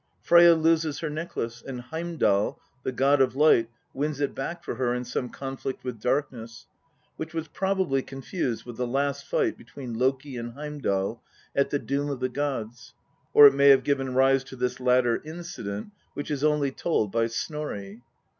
Freyja loses her necklace, and Heimdal, the god of light, wins it back for her in some conflict with darkness, which was possibly confused with the last fight between Loki and Heimdal at the Doom of the gods, or it may have given rise to this latter incident, which is only told by Snorri.